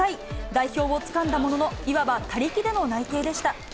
代表をつかんだものの、いわば他力での内定でした。